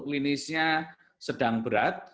klinisnya sedang berat